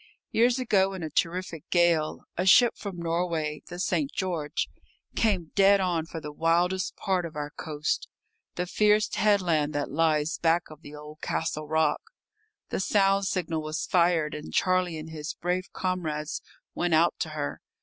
Years ago, in a terrific gale, a ship from Norway, the St. George, came dead on for the wildest part of our coast, the fierce headland that lies back of the old Castle rock. The sound signal was fired, and Charlie and his brave comrades went out to her.